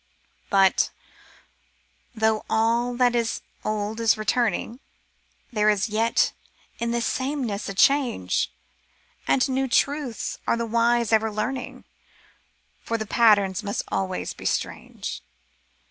But — though all that is old is returning. There is yet in this sameness a change ; And new truths are the wise ever learning. For the patterns must always be strange.